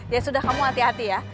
ya sudah kamu hati hati ya